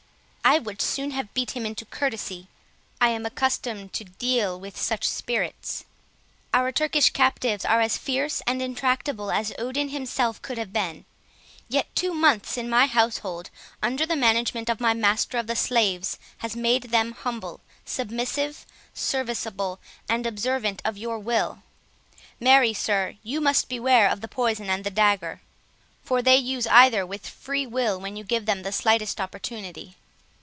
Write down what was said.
"I would soon have beat him into courtesy," observed Brian; "I am accustomed to deal with such spirits: Our Turkish captives are as fierce and intractable as Odin himself could have been; yet two months in my household, under the management of my master of the slaves, has made them humble, submissive, serviceable, and observant of your will. Marry, sir, you must be aware of the poison and the dagger; for they use either with free will when you give them the slightest opportunity."